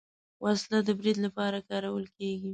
وسله د برید لپاره کارول کېږي